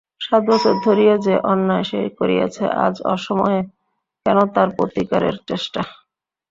সাত বছর ধরিয়া যে অন্যায় সে করিয়াছে, আজ অসময়ে কেন তার প্রতিকারের চেষ্টা?